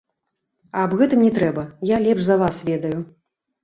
А аб гэтым не трэба, я лепш за вас ведаю.